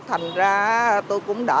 thành ra tôi cũng đỡ tốn một mươi năm đó